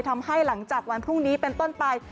หลังจากวันพรุ่งนี้เป็นต้นไป